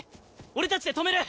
俺たちで止める！